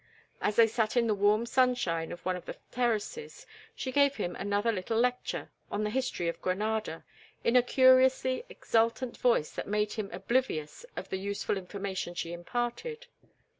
As they sat in the warm sunshine of one of the terraces she gave him another little lecture on the history of Granada in a curiously exultant voice that made him oblivious of the useful information she imparted.